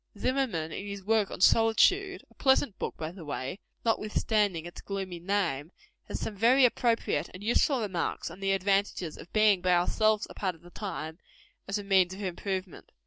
Zimmerman, in his work on Solitude a pleasant book, by the way, notwithstanding its gloomy name has some very appropriate and useful remarks on the advantages of being by ourselves a part of the time, as a means of improvement.